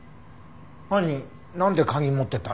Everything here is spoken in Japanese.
犯人なんで鍵持ってたの？